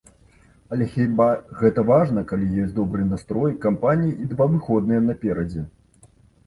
Але хіба гэта важна, калі ёсць добры настрой, кампанія і два выходныя наперадзе?!